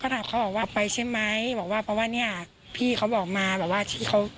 แล้วเขาก็เล่นเขาก็จิ้ม